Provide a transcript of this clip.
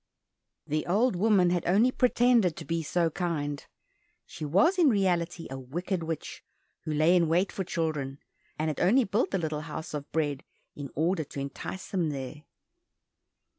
The old woman had only pretended to be so kind; she was in reality a wicked witch, who lay in wait for children, and had only built the little house of bread in order to entice them there.